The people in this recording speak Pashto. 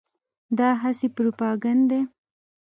دا هسې پروپاګند دی.